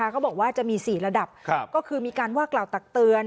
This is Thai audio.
เขาบอกว่าจะมี๔ระดับก็คือมีการว่ากล่าวตักเตือน